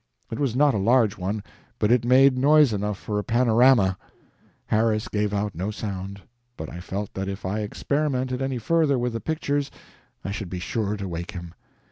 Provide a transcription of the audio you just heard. It was not a large one, but it made noise enough for a panorama. Harris gave out no sound, but I felt that if I experimented any further with the pictures I should be sure to wake him.